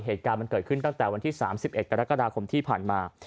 เหตุการณ์มันเกิดขึ้นตั้งแต่วันที่๓๑กรกฎาคมที่ผ่านมา